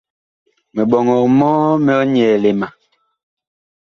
Miɓɔŋɔg mɔɔ mig nyɛɛle ma.